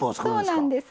そうなんです。